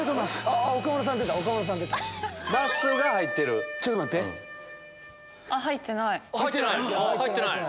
あっ入ってない。